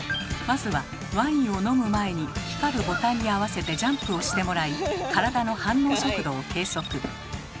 まずはワインを飲む前に光るボタンに合わせてジャンプをしてもらい体の反応速度を計測。